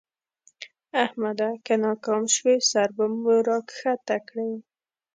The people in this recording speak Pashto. احمده! که ناکام شوې؛ سر به مو راکښته کړې.